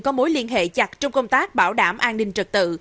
có mối liên hệ chặt trong công tác bảo đảm an ninh trật tự